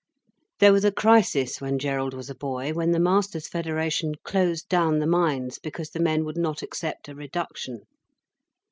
There was a crisis when Gerald was a boy, when the Masters' Federation closed down the mines because the men would not accept a reduction.